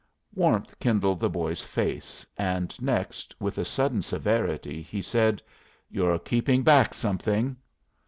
Warmth kindled the boy's face, and next, with a sudden severity, he said: "You're keeping back something."